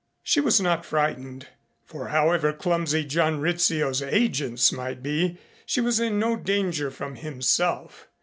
She was not frightened, for however clumsy John Rizzio's agents might be she was in no danger from himself.